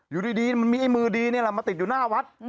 อยู่ดีมันมีไอ้มือดีนี่แหละมาติดอยู่หน้าวัด